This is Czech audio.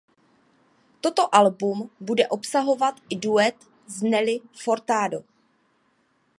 Toto album bude obsahovat i duet s Nelly Furtado.